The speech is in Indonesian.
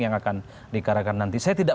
yang akan dikarenakan nanti saya tidak